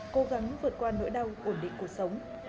cố gắng vượt qua nỗi đau ổn định cuộc sống